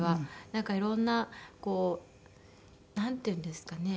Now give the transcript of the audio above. なんかいろんなこうなんていうんですかね？